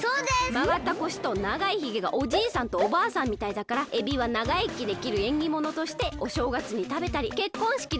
まがった腰とながいひげがおじいさんとおばあさんみたいだからエビはながいきできるえんぎものとしておしょうがつにたべたりけっこんしきでたべたりするんだよね。